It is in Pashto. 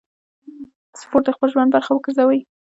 سپورت د خپل ژوند برخه وګرځوئ.